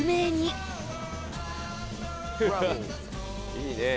いいね。